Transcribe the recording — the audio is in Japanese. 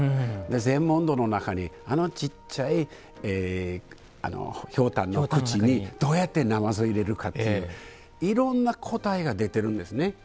禅問答の中にあのちっちゃいひょうたんの口にどうやってナマズを入れるかっていういろんな答えが出てるんですね。